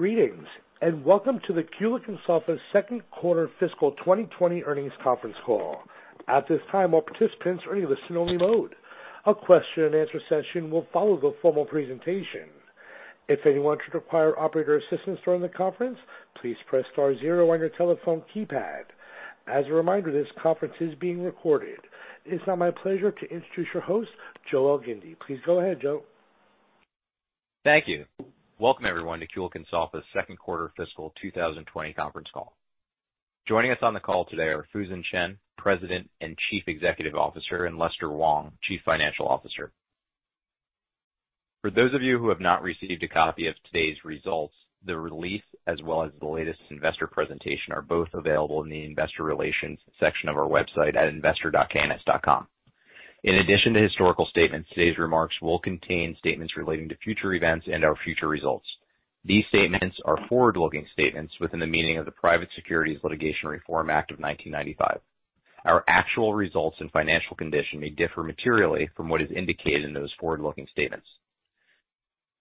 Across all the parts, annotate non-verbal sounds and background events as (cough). Greetings, welcome to the Kulicke & Soffa second quarter fiscal 2020 earnings conference call. At this time, all participants are in listen only mode. A question and answer session will follow the formal presentation. If anyone should require operator assistance during the conference, please press star zero on your telephone keypad. As a reminder, this conference is being recorded. It's now my pleasure to introduce your host, Joe Elgindy. Please go ahead, Joe. Thank you. Welcome everyone to Kulicke & Soffa second quarter fiscal 2020 conference call. Joining us on the call today are Fusen Chen, President and Chief Executive Officer, and Lester Wong, Chief Financial Officer. For those of you who have not received a copy of today's results, the release as well as the latest investor presentation are both available in the investor relations section of our website at investor.kns.com. In addition to historical statements, today's remarks will contain statements relating to future events and our future results. These statements are forward-looking statements within the meaning of the Private Securities Litigation Reform Act of 1995. Our actual results and financial condition may differ materially from what is indicated in those forward-looking statements.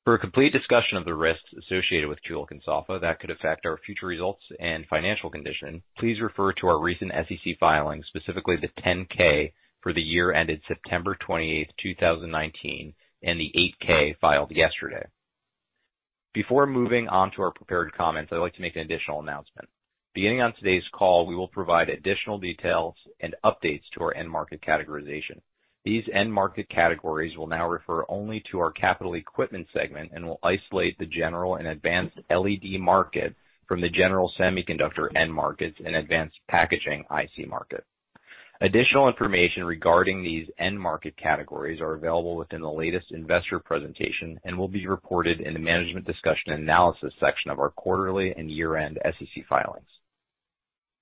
For a complete discussion of the risks associated with Kulicke & Soffa that could affect our future results and financial condition, please refer to our recent SEC filings, specifically the 10-K for the year ended September 28th, 2019, and the 8-K filed yesterday. Before moving on to our prepared comments, I'd like to make an additional announcement. Beginning on today's call, we will provide additional details and updates to our end market categorization. These end market categories will now refer only to our Capital Equipment segment and will isolate the general and advanced LED market from the general semiconductor end markets and advanced packaging IC market. Additional information regarding these end market categories are available within the latest investor presentation and will be reported in the management discussion analysis section of our quarterly and year-end SEC filings.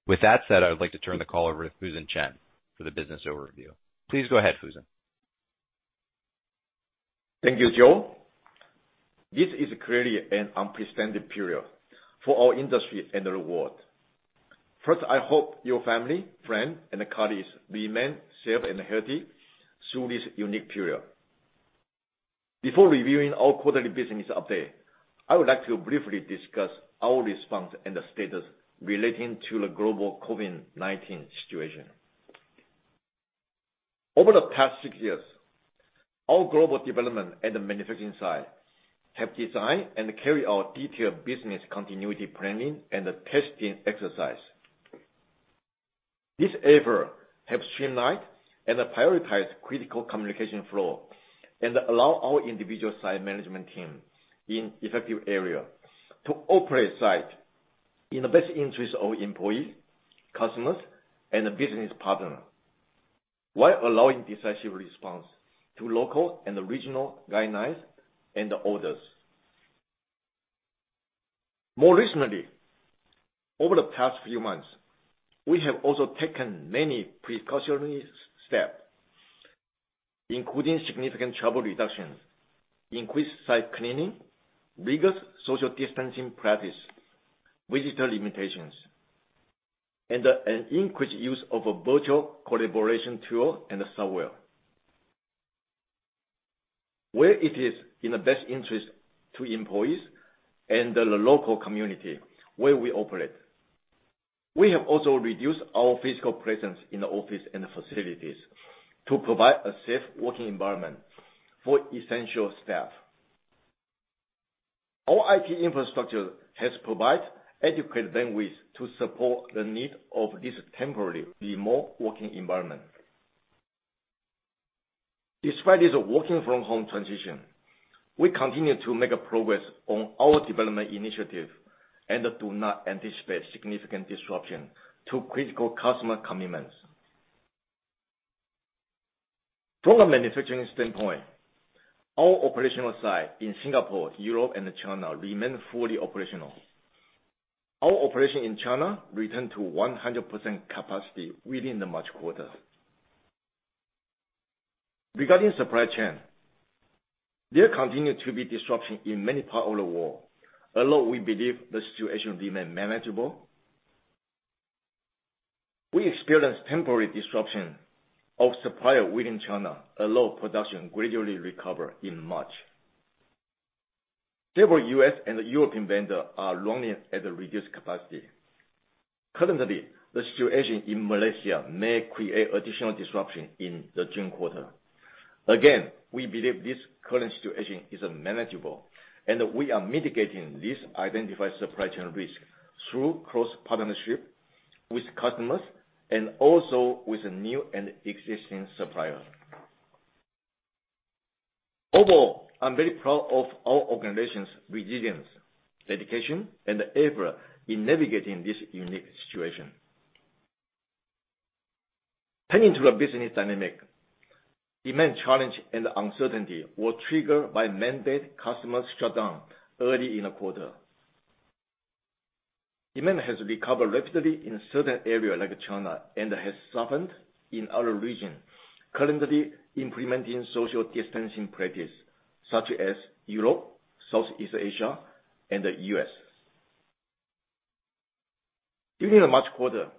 With that said, I would like to turn the call over to Fusen Chen for the business overview. Please go ahead, Fusen. Thank you, Joe. This is clearly an unprecedented period for our industry and the world. First, I hope your family, friend, and colleagues remain safe and healthy through this unique period. Before reviewing our quarterly business update, I would like to briefly discuss our response and the status relating to the global COVID-19 situation. Over the past six years, our global development and manufacturing sites have designed and carried out detailed business continuity planning and testing exercise. This effort have streamlined and prioritized critical communication flow and allow our individual site management teams in effective area to operate site in the best interest of employees, customers, and the business partner, while allowing decisive response to local and regional guidelines and orders. More recently, over the past few months, we have also taken many precautionary steps, including significant travel reductions, increased site cleaning, rigorous social distancing practice, visitor limitations, and an increased use of virtual collaboration tool and software where it is in the best interest to employees and the local community where we operate. We have also reduced our physical presence in the office and the facilities to provide a safe working environment for essential staff. Our IT infrastructure has provided adequate bandwidth to support the need of this temporary remote working environment. Despite this working from home transition, we continue to make progress on our development initiative and do not anticipate significant disruption to critical customer commitments. From a manufacturing standpoint, our operational site in Singapore, Europe, and China remain fully operational. Our operation in China returned to 100% capacity within the March quarter. Regarding supply chain, there continue to be disruption in many parts of the world, although we believe the situation remain manageable. We experienced temporary disruption of supplier within China, although production gradually recovered in March. Several U.S. and European vendor are running at a reduced capacity. Currently, the situation in Malaysia may create additional disruption in the June quarter. Again, we believe this current situation is manageable, and we are mitigating this identified supply chain risk through close partnership with customers and also with new and existing suppliers. Overall, I'm very proud of our organization's resilience, dedication, and effort in navigating this unique situation. Turning to the business dynamic, demand challenge and uncertainty were triggered by mandate customer shutdown early in the quarter. Demand has recovered rapidly in certain areas like China and has softened in other regions currently implementing social distancing practice, such as Europe, Southeast Asia, and the U.S. During the March quarter,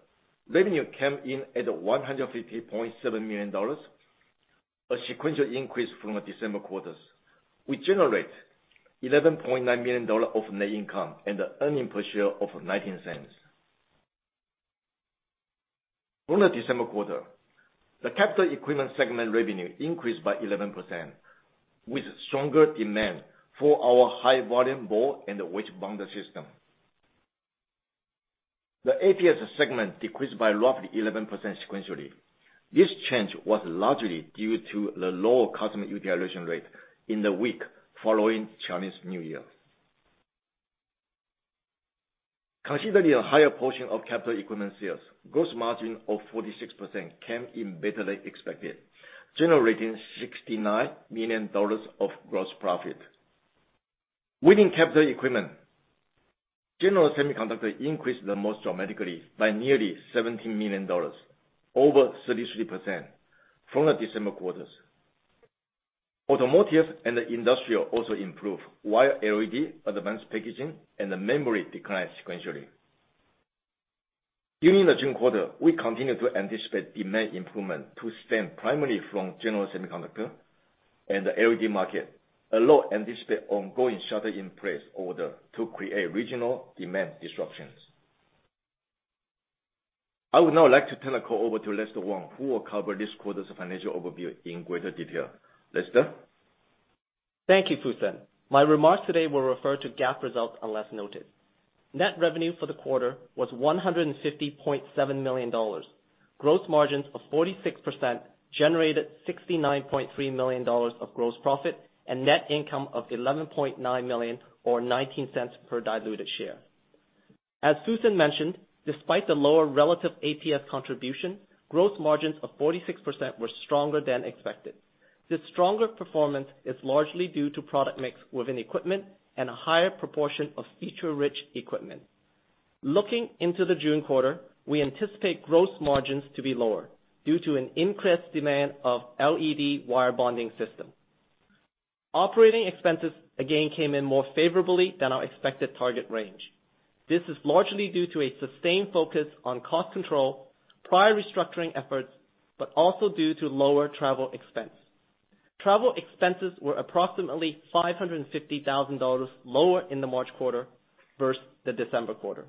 revenue came in at $150.7 million, a sequential increase from the December quarters. We generate $11.9 million of net income, and the earnings per share of $0.19. From the December quarter, the Capital Equipment segment revenue increased by 11%, with stronger demand for our high volume ball bonder and the wire bonding system. The APS segment decreased by roughly 11% sequentially. This change was largely due to the lower customer utilization rate in the week following Chinese New Year. Considering a higher portion of Capital Equipment sales, gross margin of 46% came in better than expected, generating $69 million of gross profit. General semiconductor increased the most dramatically by nearly $17 million, over 33% from the December quarter. Automotives and industrial also improved, while LED advanced packaging and memory declined sequentially. During the June quarter, we continue to anticipate demand improvement to stem primarily from general semiconductor and the LED market, although anticipate ongoing shelter-in-place order to create regional demand disruptions. I would now like to turn the call over to Lester Wong, who will cover this quarter's financial overview in greater detail. Lester? Thank you, Fusen. My remarks today will refer to GAAP results unless noted. Net revenue for the quarter was $150.7 million. Gross margins of 46% generated $69.3 million of gross profit, and net income of $11.9 million or $0.19 per diluted share. As Fusen mentioned, despite the lower relative APS contribution, gross margins of 46% were stronger than expected. This stronger performance is largely due to product mix within equipment, and a higher proportion of feature-rich equipment. Looking into the June quarter, we anticipate gross margins to be lower due to an increased demand of LED wire bonding system. Operating expenses again came in more favorably than our expected target range. This is largely due to a sustained focus on cost control, prior restructuring efforts, but also due to lower travel expense. Travel expenses were approximately $550,000 lower in the March quarter versus the December quarter.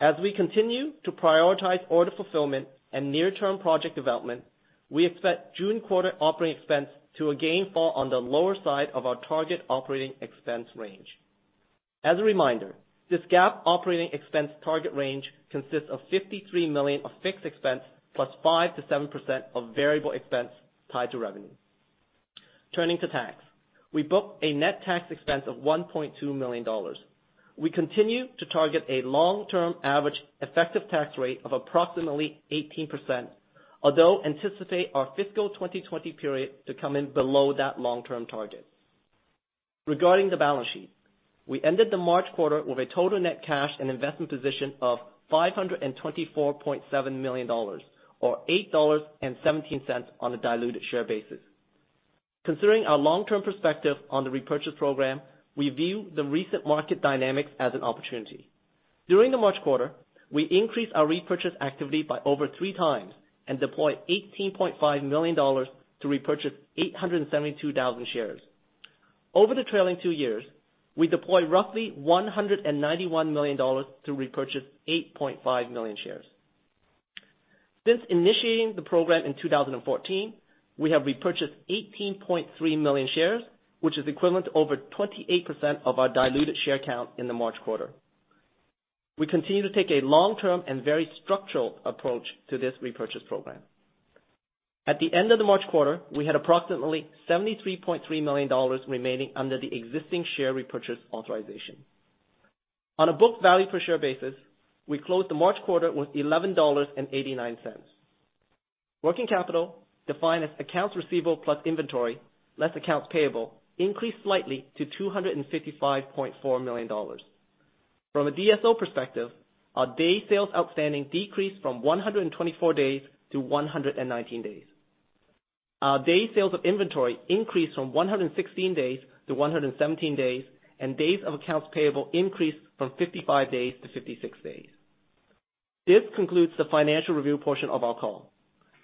As we continue to prioritize order fulfillment and near-term project development, we expect June quarter operating expense to again fall on the lower side of our target operating expense range. As a reminder, this GAAP operating expense target range consists of $53 million of fixed expense plus 5%-7% of variable expense tied to revenue. Turning to tax. We booked a net tax expense of $1.2 million. We continue to target a long-term average effective tax rate of approximately 18%, although anticipate our fiscal 2020 period to come in below that long-term target. Regarding the balance sheet. We ended the March quarter with a total net cash and investment position of $524.7 million, or $8.17 on a diluted share basis. Considering our long-term perspective on the repurchase program, we view the recent market dynamics as an opportunity. During the March quarter, we increased our repurchase activity by over three times and deployed $18.5 million to repurchase 872,000 shares. Over the trailing two years, we deployed roughly $191 million to repurchase 8.5 million shares. Since initiating the program in 2014, we have repurchased 18.3 million shares, which is equivalent to over 28% of our diluted share count in the March quarter. We continue to take a long-term and very structural approach to this repurchase program. At the end of the March quarter, we had approximately $73.3 million remaining under the existing share repurchase authorization. On a book value per share basis, we closed the March quarter with $11.89. Working capital, defined as accounts receivable plus inventory, less accounts payable, increased slightly to $255.4 million. From a DSO perspective, our day sales outstanding decreased from 124 days to 119 days. Our day sales of inventory increased from 116 days to 117 days, and days of accounts payable increased from 55 days to 56 days. This concludes the financial review portion of our call.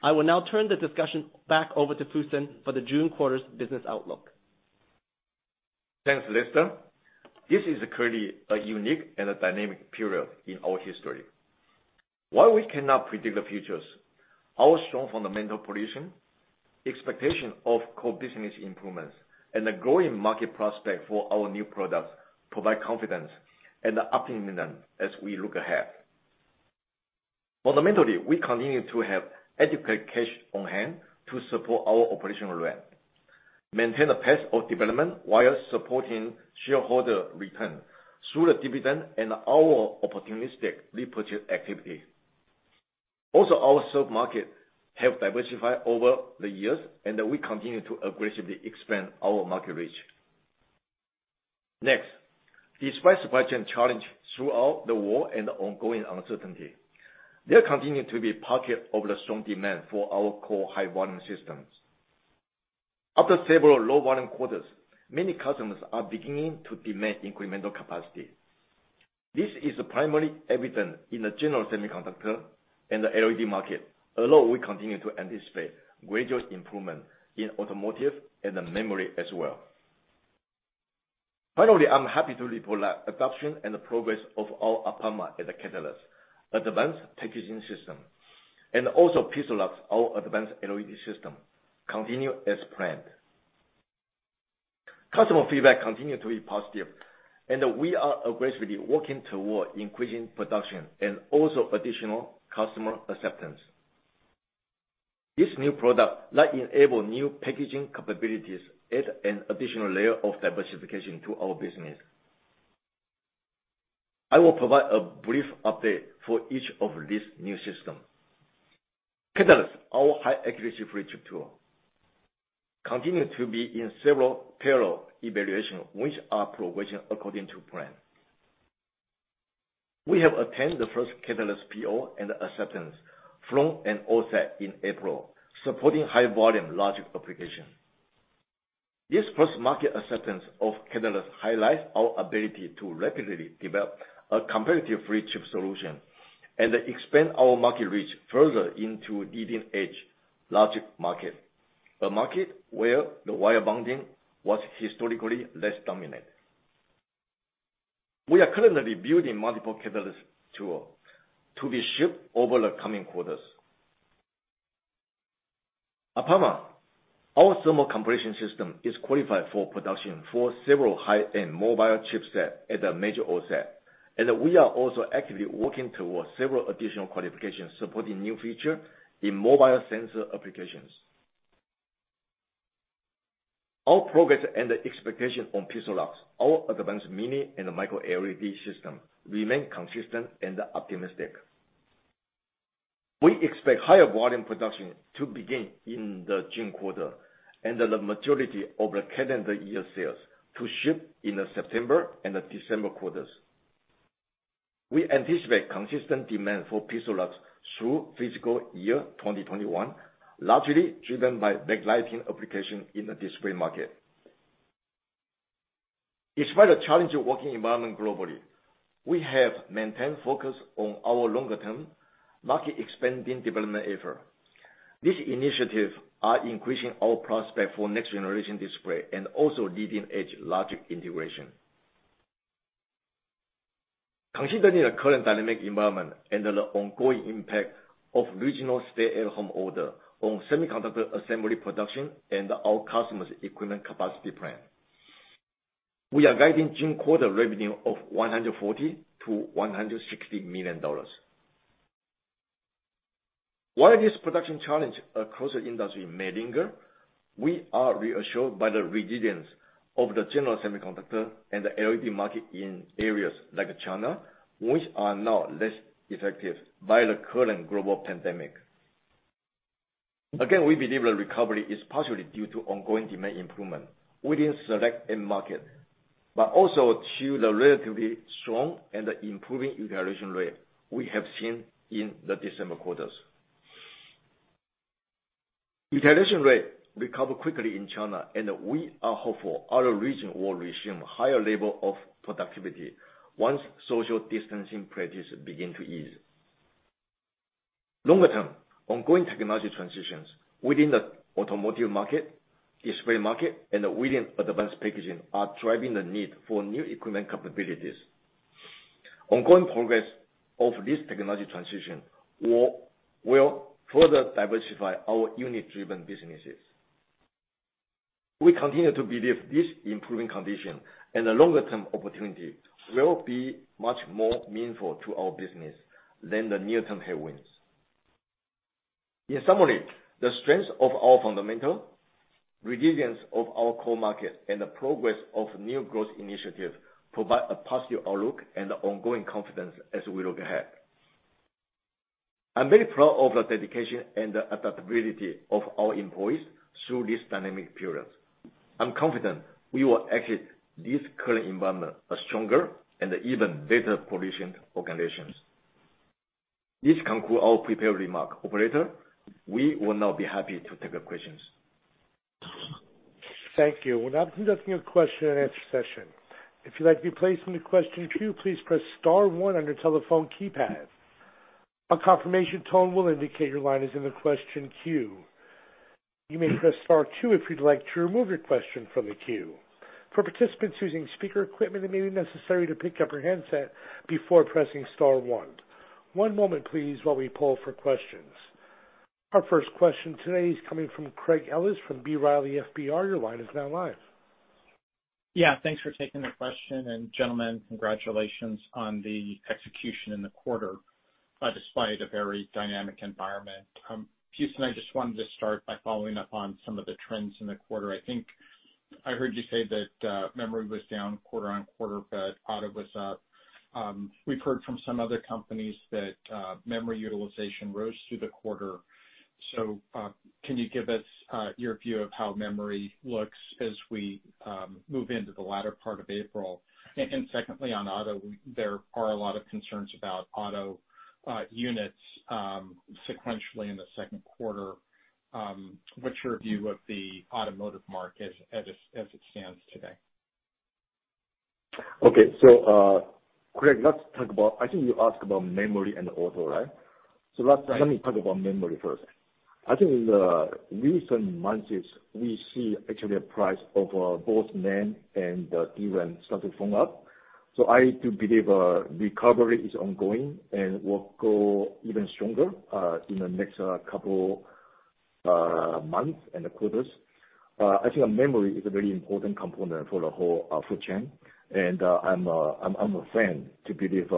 I will now turn the discussion back over to Fusen for the June quarter's business outlook. Thanks, Lester. This is currently a unique and a dynamic period in our history. While we cannot predict the futures, our strong fundamental position, expectation of core business improvements, and the growing market prospect for our new products provide confidence and optimism as we look ahead. Fundamentally, we continue to have adequate cash on hand to support our operational ramp, maintain a path of development while supporting shareholder return through the dividend and our opportunistic repurchase activity. Also, our served market have diversified over the years, and we continue to aggressively expand our market reach. Next. Despite supply chain challenge throughout the world and ongoing uncertainty, there continue to be pocket of the strong demand for our core high-volume systems. After several low volume quarters, many customers are beginning to demand incremental capacity. This is primarily evident in the general semiconductor and the LED market, although we continue to anticipate gradual improvement in automotive and memory as well. Finally, I'm happy to report that adoption and progress of our APAMA and the Katalyst advanced packaging system, and also PIXALUX, our advanced LED system, continue as planned. Customer feedback continue to be positive, and we are aggressively working toward increasing production and also additional customer acceptance. This new product might enable new packaging capabilities, add an additional layer of diversification to our business. I will provide a brief update for each of these new systems. Katalyst, our high accuracy flip chip tool, continue to be in several parallel evaluations, which are progressing according to plan. We have attained the first Katalyst PO and acceptance from an OSAT in April, supporting high volume logic application. This first market acceptance of Katalyst highlights our ability to rapidly develop a competitive flip chip solution and expand our market reach further into leading-edge logic market, a market where the wire bonding was historically less dominant. We are currently building multiple Katalyst tools to be shipped over the coming quarters. APAMA, our thermal compression system, is qualified for production for several high-end mobile chipset at a major OSAT, and we are also actively working towards several additional qualifications supporting new feature in mobile sensor applications. Our progress and expectation on PIXALUX, our advanced mini LED and micro LED system, remain consistent and optimistic. We expect higher volume production to begin in the June quarter, and the majority of the calendar year sales to ship in the September and December quarters. We anticipate consistent demand for PIXALUX through fiscal year 2021, largely driven by backlighting application in the display market. Despite a challenging working environment globally, we have maintained focus on our longer-term market expanding development effort. These initiatives are increasing our prospect for next generation display and also leading-edge logic integration. Considering the current dynamic environment and the ongoing impact of regional stay-at-home order on semiconductor assembly production and our customers' equipment capacity plan, we are guiding June quarter revenue of $140 million to $160 million. While this production challenge across the industry may linger, we are reassured by the resilience of the general semiconductor and the LED market in areas like China, which are now less affected by the current global pandemic. We believe the recovery is partially due to ongoing demand improvement within select end market, but also to the relatively strong and improving utilization rate we have seen in the December quarters. Utilization rate recover quickly in China, and we are hopeful other region will resume higher level of productivity once social distancing practice begin to ease. Longer term, ongoing technology transitions within the automotive market, display market, and within advanced packaging are driving the need for new equipment capabilities. Ongoing progress of this technology transition will further diversify our unit-driven businesses. We continue to believe this improving condition and the longer-term opportunity will be much more meaningful to our business than the near-term headwinds. In summary, the strength of our fundamental resilience of our core market and the progress of new growth initiatives provide a positive outlook and ongoing confidence as we look ahead. I'm very proud of the dedication and adaptability of our employees through this dynamic period. I'm confident we will exit this current environment as stronger and even better positioned organizations. This concludes our prepared remarks. Operator, we will now be happy to take questions. Thank you. We're now conducting a question and answer session. If you'd like to be placed in the question queue, please press star one on your telephone keypad. A confirmation tone will indicate your line is in the question queue. You may press star two if you'd like to remove your question from the queue. For participants using speaker equipment, it may be necessary to pick up your handset before pressing star one. one moment, please, while we poll for questions. Our first question today is coming from Craig Ellis from B. Riley FBR. Your line is now live. Thanks for taking the question, gentlemen, congratulations on the execution in the quarter, despite a very dynamic environment. Fusen, I just wanted to start by following up on some of the trends in the quarter. I think I heard you say that memory was down quarter-on-quarter, auto was up. We've heard from some other companies that memory utilization rose through the quarter. Can you give us your view of how memory looks as we move into the latter part of April? Secondly, on auto, there are a lot of concerns about auto units sequentially in the second quarter. What's your view of the automotive market as it stands today? Okay. Craig, I think you asked about memory and auto, right? Right. Let me talk about memory first. I think in the recent months, we see actually a price of both NAND and DRAM started going up. I do believe recovery is ongoing and will grow even stronger, in the next couple of months and quarters. Memory is a very important component for the whole food chain. I'm a fan to believe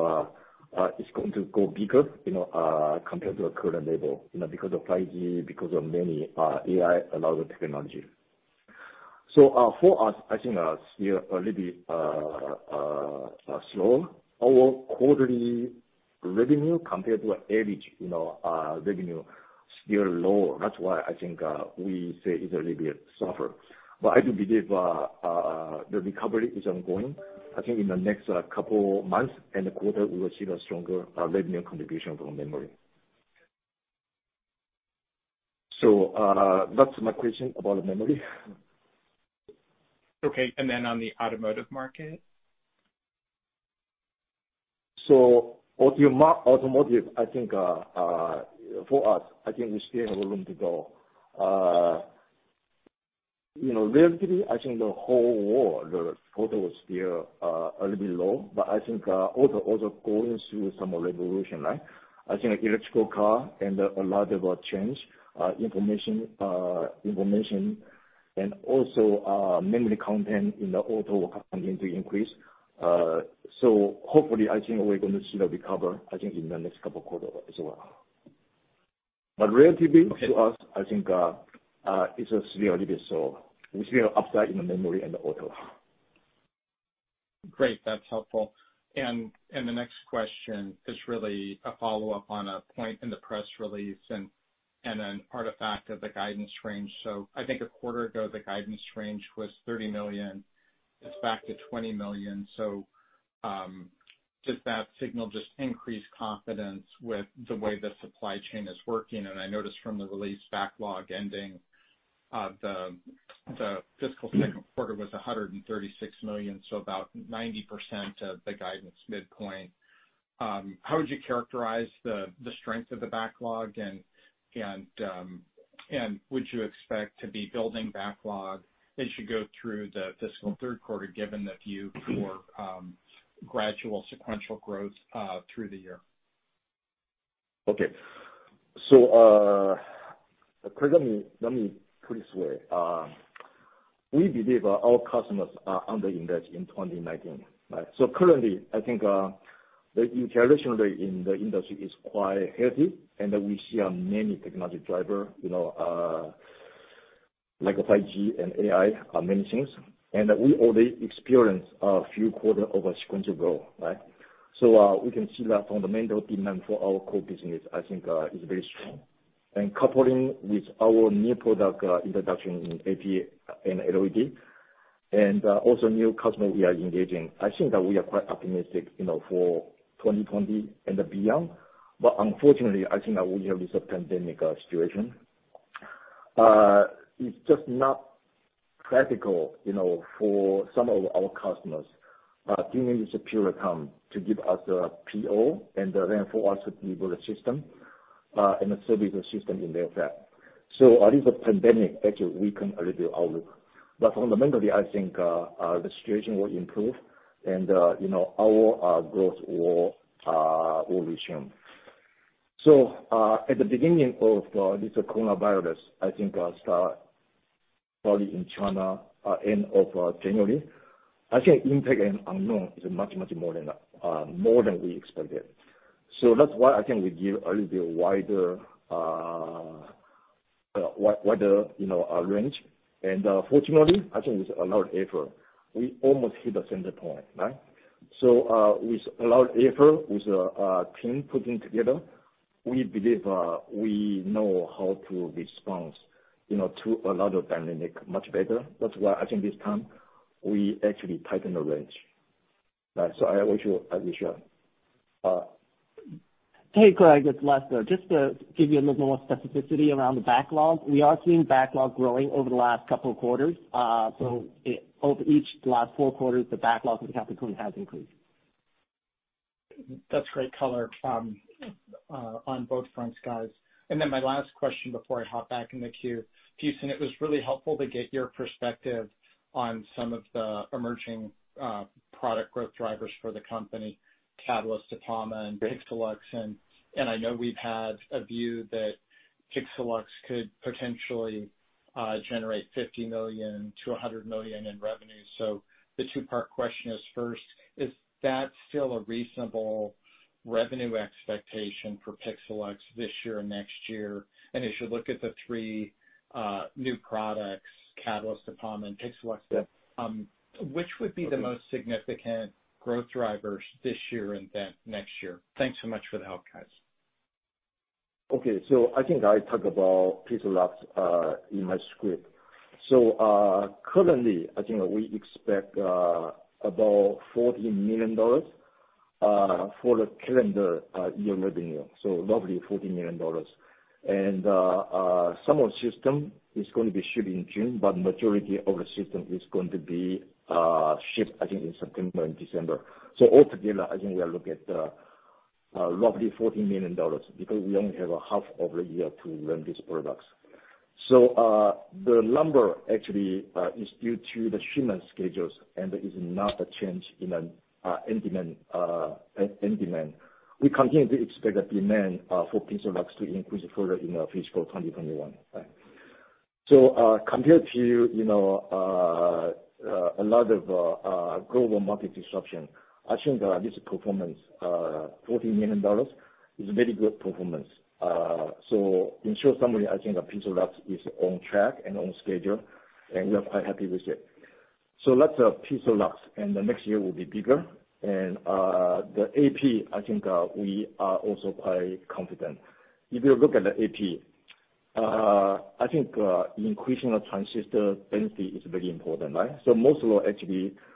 it's going to go bigger, compared to the current level, because of 5G, because of many AI and other technologies. For us, I think still a little bit slow. Our quarterly revenue compared to our average revenue, still low. That's why I think we say it's a little bit softer. I do believe the recovery is ongoing. I think in the next couple months and a quarter, we will see the stronger revenue contribution from memory. That's my opinion about memory. Okay. On the automotive market? Automotive, for us, I think we still have a room to go. Relatively, I think the whole world, auto is still a little bit low, but I think auto is going through some revolution, right? I think electrical car and a lot of change, information, and also memory content in the auto will continue to increase. Hopefully, I think we're going to see the recovery, I think, in the next couple of quarters as well. Relatively to us, I think it's still a little bit slow. We see an upside in the memory and the auto. Great. That's helpful. The next question is really a follow-up on a point in the press release and an artifact of the guidance range. I think a quarter ago, the guidance range was $30 million. It's back to $20 million. Does that signal just increased confidence with the way the supply chain is working? I noticed from the release backlog ending, the fiscal second quarter was $136 million, so about 90% of the guidance midpoint. How would you characterize the strength of the backlog and would you expect to be building backlog as you go through the fiscal third quarter, given the view for gradual sequential growth through the year? Okay. Craig, let me put it this way. We believe our customers are under-invest in 2019, right? Currently, I think the iteration rate in the industry is quite healthy, and we see many technology driver, like 5G and AI, many things. We already experience a few quarter of a sequential growth, right? We can see that fundamental demand for our core business, I think, is very strong. Coupling with our new product introduction in APA and LED, and also new customer we are engaging, I think that we are quite optimistic for 2020 and beyond. Unfortunately, I think that we have this pandemic situation. It's just not practical for some of our customers. Do you need a secure account to give us a PO and then for us to deliver the system, and then service the system in their fab? At least the pandemic actually weaken a little outlook. Fundamentally, I think the situation will improve and our growth will resume. At the beginning of this coronavirus, I think start probably in China, end of January. Actually, impact and unknown is much more than we expected. That's why I think we give a little bit wider range. Fortunately, I think with a lot of effort, we almost hit the center point, right. With a lot of effort, with our team putting together, we believe we know how to respond to a lot of pandemic much better. That's why I think this time we actually tighten the range. Right. I will sure. Hey, Craig, it's Lester. Just to give you a little more specificity around the backlog. We are seeing backlog growing over the last couple of quarters. Over each last four quarters, the backlog of the company has increased. That's great color on both fronts, guys. My last question before I hop back in the queue. Fusen, it was really helpful to get your perspective on some of the emerging product growth drivers for the company, Katalyst, APAMA, and PIXALUX. I know we've had a view that PIXALUX could potentially generate $50 million to $100 million in revenue. The two-part question is, first, is that still a reasonable revenue expectation for PIXALUX this year and next year? As you look at the three new products, Katalyst, APAMA, and PIXALUX. Yeah. Which would be the most significant growth drivers this year and then next year? Thanks so much for the help, guys. Okay. I think I talk about PIXALUX in my script. Currently, I think we expect about $40 million. For the calendar year revenue, roughly $40 million. Some of system is going to be shipped in June, but majority of the system is going to be shipped, I think, in September and December. Altogether, I think we are look at roughly $40 million, because we only have a half of the year to learn these products. The number actually is due to the shipment schedules, and there is not a change in end demand. We continue to expect the demand for PIXALUX to increase further in our fiscal 2021. Compared to a lot of global market disruption, I think this performance, $14 million, is a very good performance. In short summary, I think that PIXALUX is on track and on schedule. We are quite happy with it. That's PIXALUX. The next year will be bigger. The AP, I think we are also quite confident. If you look at the AP, I think increasing the transistor density is very important, right? Most of (inaudible)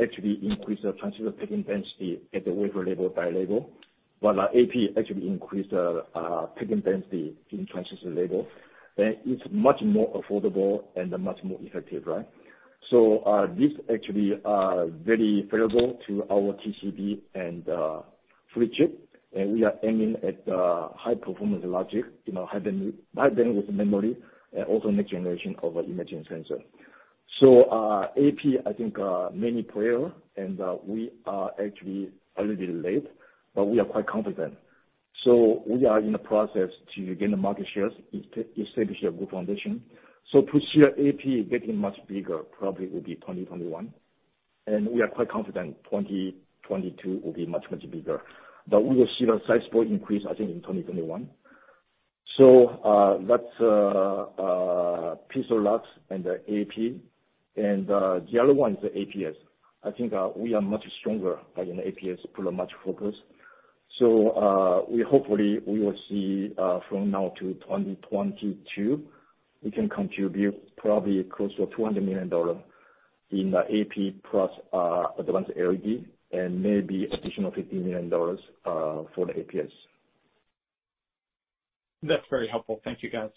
actually increase the transistor packing density at the wafer level by level. AP actually increase packing density in transistor level. It's much more affordable and much more effective, right? This actually very favorable to our TCB and flip chip. We are aiming at high performance logic, High Bandwidth Memory, and also next generation of our imaging sensor. AP, I think, many player. We are actually a little bit late, but we are quite confident. We are in the process to gain the market shares, establish a good foundation. To see AP getting much bigger probably will be 2021, and we are quite confident 2022 will be much, much bigger. We will see the sizable increase, I think, in 2021. That's PIXALUX and the AP. The other one is the APS. I think we are much stronger in APS, put much focus. Hopefully, we will see from now to 2022, we can contribute probably close to $200 million in the AP plus advanced LED, and maybe additional $15 million for the APS. That's very helpful. Thank you, guys.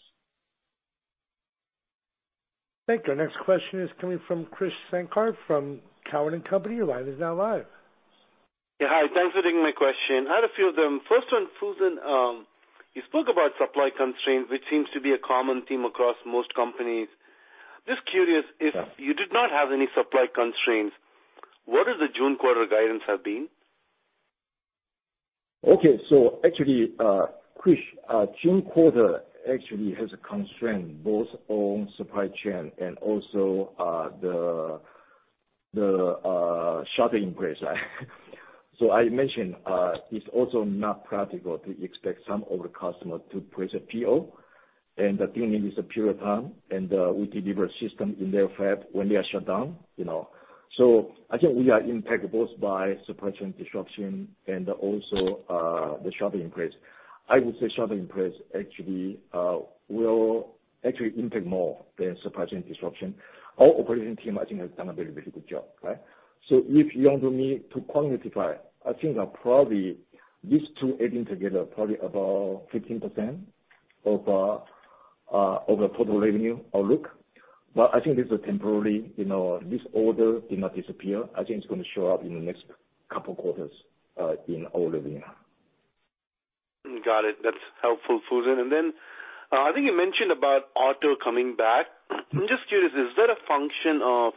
Thank you. Next question is coming from Krish Sankar from Cowen and Company. Your line is now live. Yeah, hi. Thanks for taking my question. I had a few of them. First on Fusen. You spoke about supply constraints, which seems to be a common theme across most companies. Just curious, if you did not have any supply constraints, what would the June quarter guidance have been? Okay. Actually, Krish, June quarter actually has a constraint both on supply chain and also the shelter-in-place. I mentioned, it's also not practical to expect some of the customer to place a PO, and the thing need is a period time, and we deliver system in their fab when they are shut down. I think we are impacted both by supply chain disruption and also the shelter-in-place. I would say shelter-in-place actually will impact more than supply chain disruption. Our operation team, I think, has done a very, very good job. If you want me to quantify, I think that probably these two adding together, probably about 15% of the total revenue outlook. I think this is temporary. This order did not disappear. I think it's going to show up in the next couple quarters in our revenue. Got it. That's helpful, Fusen. I think you mentioned about auto coming back. I'm just curious, is that a function of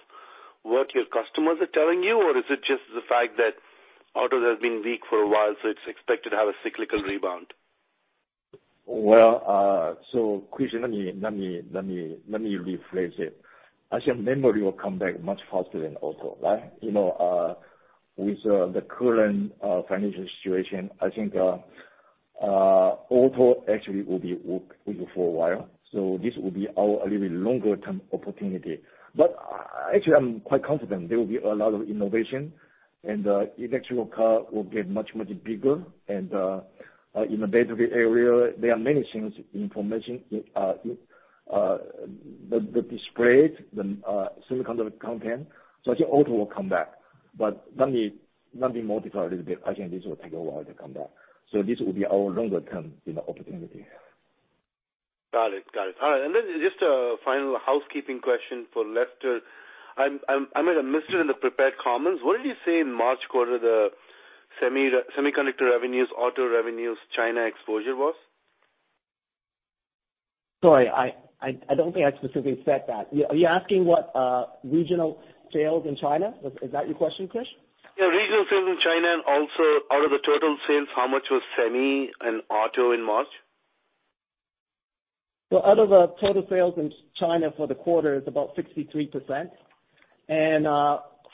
what your customers are telling you, or is it just the fact that auto has been weak for a while, so it's expected to have a cyclical rebound? Krish, let me rephrase it. I think memory will come back much faster than auto. With the current financial situation, I think auto actually will be weak for a while. This will be our a little bit longer term opportunity. Actually, I'm quite confident there will be a lot of innovation and electrical car will get much, much bigger. In the battery area, there are many things, information, the display, the silicon content. I think auto will come back. Let me modify a little bit. I think this will take a while to come back. This will be our longer term opportunity. Got it. All right. Just a final housekeeping question for Lester. I may have missed it in the prepared comments, what did you say March quarter, the semiconductor revenues, auto revenues, China exposure was? Sorry, I don't think I specifically said that. Are you asking what regional sales in China? Is that your question, Krish? Yeah. Regional sales in China, and also out of the total sales, how much was semi and auto in March? Out of the total sales in China for the quarter is about 63%.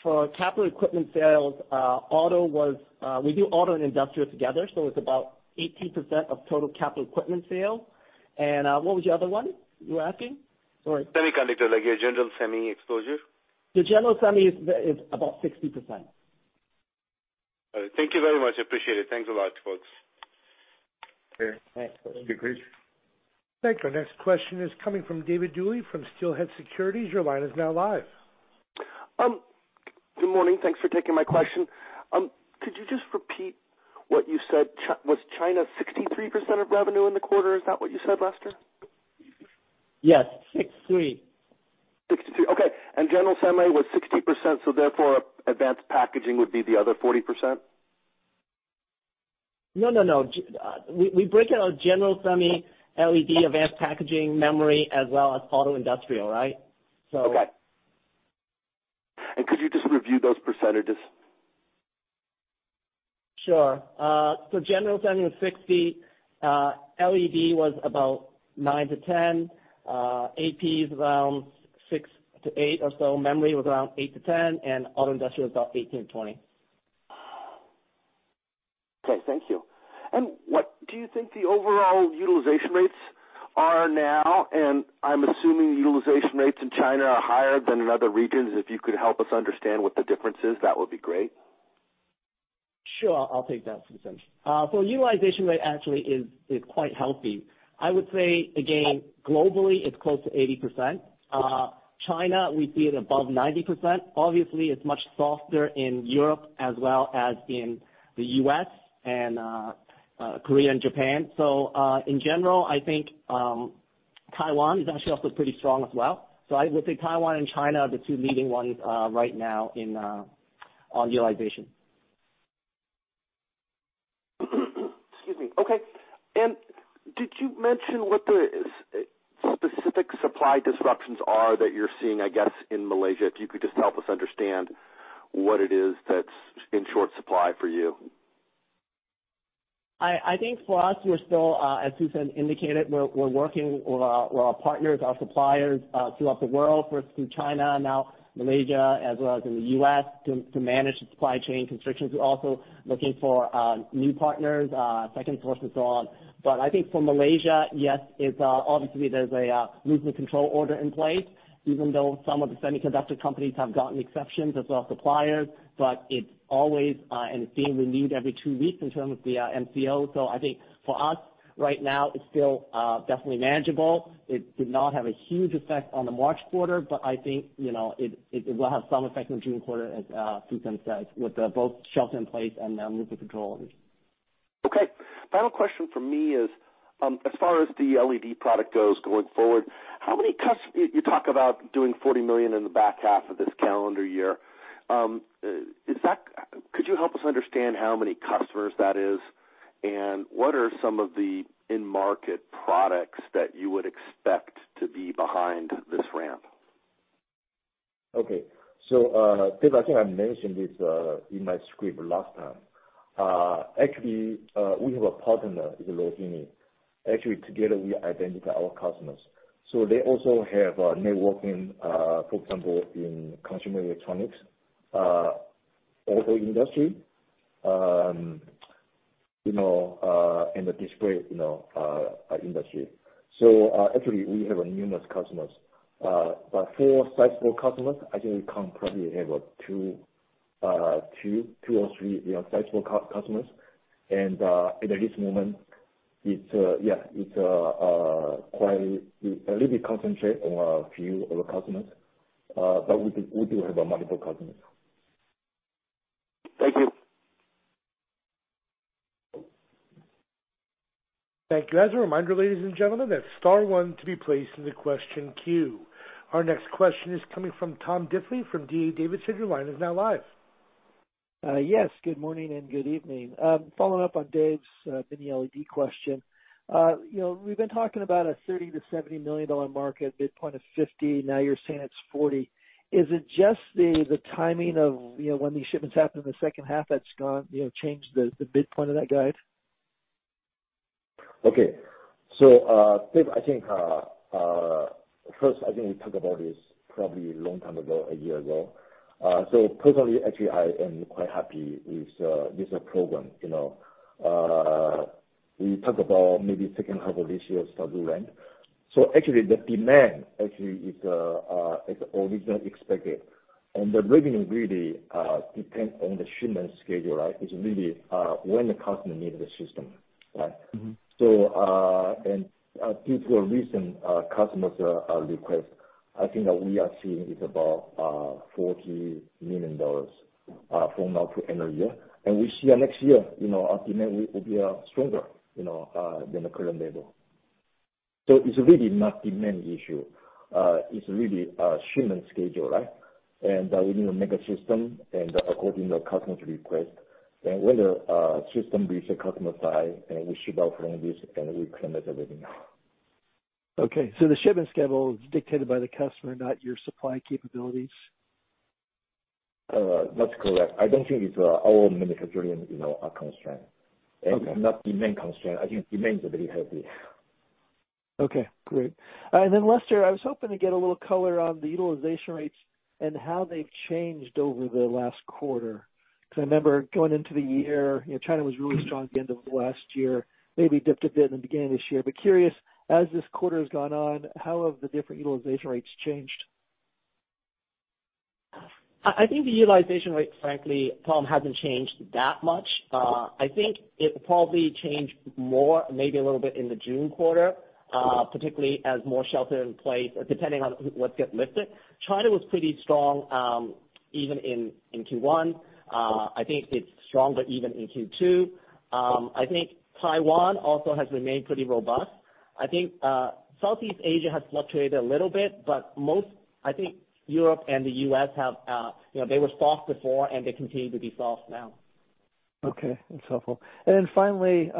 For Capital Equipment sales, we do auto and industrial together, so it's about 18% of total Capital Equipment sale. What was the other one you were asking? Sorry. Semiconductor, like your general semi exposure. The general semi is about 60%. All right. Thank you very much. Appreciate it. Thanks a lot, folks. Okay. Thanks. Your next question is coming from David Duley from Steelhead Securities. Your line is now live. Good morning. Thanks for taking my question. Could you just repeat what you said? Was China 63% of revenue in the quarter? Is that what you said, Lester? Yes. 63%. 63%. Okay. General semi was 60%, so therefore, advanced packaging would be the other 40%? No, no. We break out our general semi, LED, advanced packaging, memory, as well as auto industrial, right? Okay. Could you just review those percentages? Sure. General semi was 60%, LED was about 9%-10%, AP is around 6%-8% or so, memory was around 8%-10%, and auto industrial was about 18%-20%. Okay. Thank you. What do you think the overall utilization rates are now? I'm assuming utilization rates in China are higher than in other regions. If you could help us understand what the difference is, that would be great. Sure. I'll take that, Fusen. Utilization rate actually is quite healthy. I would say again, globally, it's close to 80%. China, we see it above 90%. Obviously, it's much softer in Europe as well as in the U.S. and Korea and Japan. In general, I think Taiwan is actually also pretty strong as well. I would say Taiwan and China are the two leading ones right now on utilization. Excuse me. Okay. Did you mention what the specific supply disruptions are that you're seeing, I guess, in Malaysia? If you could just help us understand what it is that's in short supply for you. For us, as Fusen indicated, we're working with our partners, our suppliers throughout the world, first through China, now Malaysia, as well as in the U.S., to manage the supply chain constrictions. We're also looking for new partners, second source and so on. For Malaysia, yes, obviously, there's a Movement Control Order in place, even though some of the semiconductor companies have gotten exceptions as well as suppliers, but it's being renewed every two weeks in terms of the MCO. For us right now, it's still definitely manageable. It did not have a huge effect on the March quarter, it will have some effect on June quarter, as Fusen said, with both shelter in place and movement control. Okay. Final question from me is, as far as the LED product goes going forward, you talk about doing $40 million in the back half of this calendar year. Could you help us understand how many customers that is and what are some of the end market products that you would expect to be behind this ramp? Okay. Dave, I think I mentioned this in my script last time. Actually, we have a partner, Rohinni. Actually, together, we identify our customers. They also have a networking, for example, in consumer electronics, auto industry, and the display industry. Actually, we have numerous customers. For sizable customers, I think we can probably have two or three sizable customers. At this moment, it's a little bit concentrated on a few of the customers, but we do have multiple customers. Thank you. Thank you. As a reminder, ladies and gentlemen, that is star one to be placed in the question queue. Our next question is coming from Tom Diffely from D.A. Davidson. Your line is now live. Yes. Good morning and good evening. Following up on Dave's mini LED question. We've been talking about a $30 million-$70 million market, midpoint of $50 million. Now you're saying it's $40 million. Is it just the timing of when these shipments happen in the second half that's changed the midpoint of that guide? Okay. Tom, first, I think we talked about this probably a long time ago, a year ago. Personally, actually, I am quite happy with this program. We talked about maybe second half of this year start to ramp. Actually, the demand is originally expected, and the revenue really depends on the shipment schedule. It's really when the customer needs the system, right? Due to a recent customer's request, I think that we are seeing it's about $40 million from now to end of year. We see next year, our demand will be stronger than the current level. It's really not demand issue. It's really a shipment schedule. We need to make a system and according to customer's request, and when the system reaches the customer side, and we ship out from this, and we claim that the revenue. Okay. The shipment schedule is dictated by the customer, not your supply capabilities? That's correct. I don't think it's our manufacturing constraint. Okay. Not the main constraint. I think demand is very healthy. Okay, great. Lester, I was hoping to get a little color on the utilization rates and how they've changed over the last quarter, because I remember going into the year, China was really strong at the end of last year, maybe dipped a bit in the beginning of this year. Curious, as this quarter has gone on, how have the different utilization rates changed? I think the utilization rate, frankly, Tom, hasn't changed that much. I think it probably changed more, maybe a little bit in the June quarter, particularly as more shelter in place, or depending on what gets lifted. China was pretty strong even in Q1. I think it's stronger even in Q2. I think Taiwan also has remained pretty robust. I think Southeast Asia has fluctuated a little bit, but most, I think Europe and the U.S. were soft before, and they continue to be soft now. Okay, that's helpful. Finally,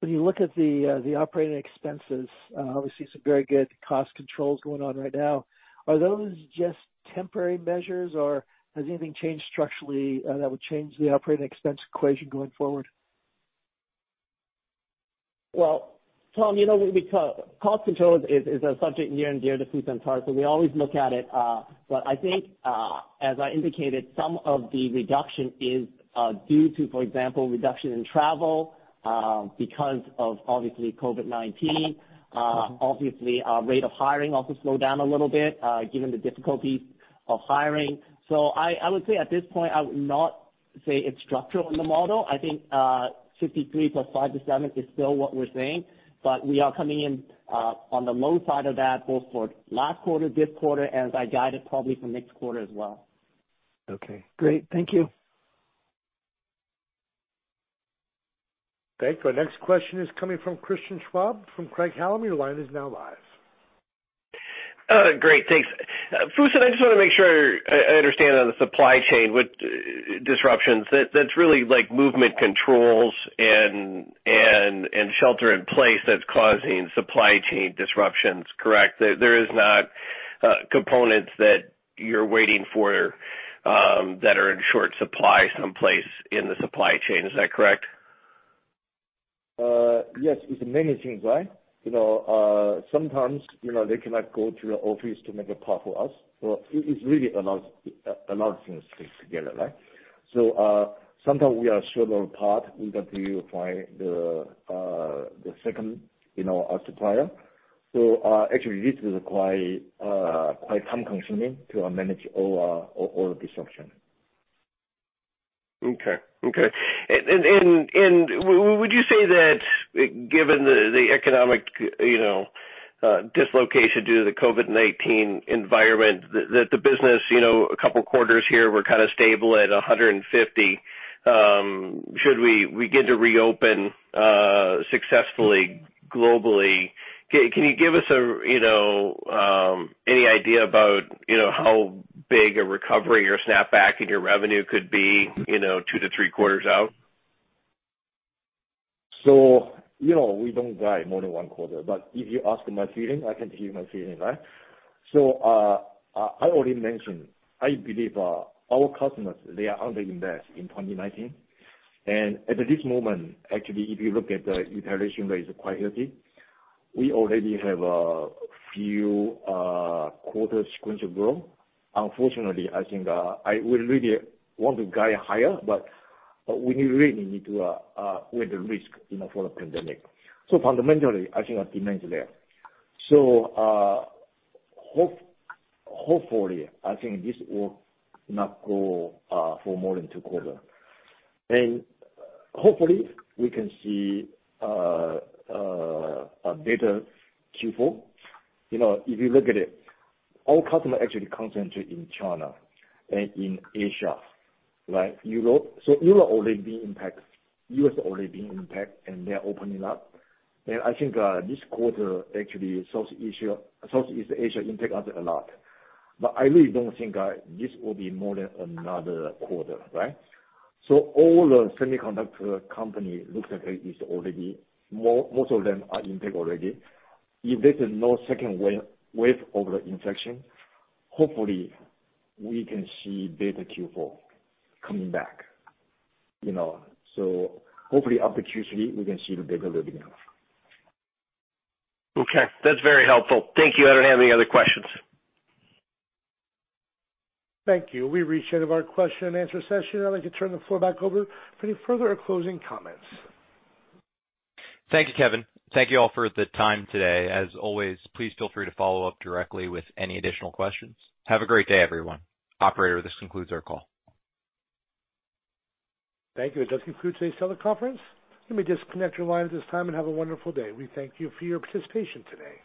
when you look at the operating expenses, obviously some very good cost controls going on right now. Are those just temporary measures, or has anything changed structurally that would change the operating expense equation going forward? Tom cost controls is a subject near and dear to Fusen's heart, we always look at it. I think, as I indicated, some of the reduction is due to, for example, reduction in travel because of, obviously, COVID-19. Obviously, our rate of hiring also slowed down a little bit given the difficulties of hiring. I would say at this point, I would not say it's structural in the model. I think $53 million plus 5%-7% is still what we're saying, but we are coming in on the low side of that, both for last quarter, this quarter, and as I guided, probably for next quarter as well. Okay, great. Thank you. Thank you. Our next question is coming from Christian Schwab from Craig-Hallum. Your line is now live. Great, thanks. Fusen, I just want to make sure I understand on the supply chain with disruptions, that's really movement controls and shelter in place that's causing supply chain disruptions, correct? There is not components that you're waiting for that are in short supply someplace in the supply chain. Is that correct? Yes, it's many things. Sometimes they cannot go to the office to make a part for us. It's really a lot of things together. Sometimes we are short on part, we got to find the second supplier. Actually this is quite time-consuming to manage all the disruption. Okay. Would you say that given the economic dislocation due to the COVID-19 environment, that the business, a couple of quarters here, we're kind of stable at $150 million. Should we begin to reopen successfully globally, can you give us any idea about how big a recovery or snapback in your revenue could be two to three quarters out? We don't guide more than one quarter, but if you ask my feeling, I can give you my feeling. I already mentioned, I believe our customers, they are under-invest in 2019. At this moment, actually, if you look at the utilization rate is quite healthy. We already have a few quarter sequential growth. Unfortunately, I think I would really want to guide higher, but we really need to weigh the risk for the pandemic. Fundamentally, I think demand is there. Hopefully, I think this will not go for more than two quarter. Hopefully we can see a better Q4. If you look at it, all customer actually concentrated in China and in Asia. Europe already being impacted, U.S. already being impacted, and they are opening up. I think this quarter actually, Southeast Asia impact us a lot. I really don't think this will be more than another quarter. All the semiconductor company looks like most of them are impacted already. If there is no second wave of the infection, hopefully we can see better Q4 coming back. Hopefully opportunity, we can see the data building up. Okay. That's very helpful. Thank you. I don't have any other questions. Thank you. We've reached the end of our question and answer session. I'd like to turn the floor back over for any further closing comments. Thank you, Kevin. Thank you all for the time today. As always, please feel free to follow up directly with any additional questions. Have a great day, everyone. Operator, this concludes our call. Thank you. That does conclude today's teleconference. You may disconnect your lines at this time and have a wonderful day. We thank you for your participation today.